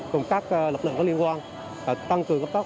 cùng các lực lượng có liên quan tăng cường công tác